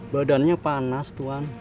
badannya panas tuhan